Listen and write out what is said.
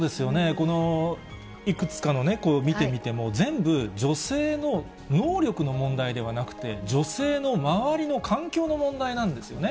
このいくつかの見てみても、全部、女性の能力の問題ではなくて、女性の周りの環境の問題なんですよね。